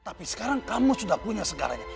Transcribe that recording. tapi sekarang kamu sudah punya segalanya